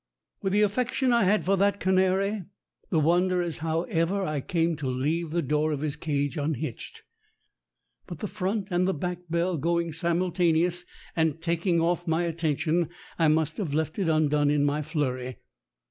With the affection I had for that canary, the wonder is how ever I came to leave the door of his cage un hitched. But the front and the back bell going simul taneous, and taking off my attention, I must have left it undone in my flurry.